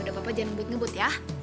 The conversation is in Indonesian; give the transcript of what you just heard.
yaudah papa jangan ngebut ngebut ya